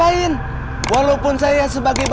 aku akan menganggap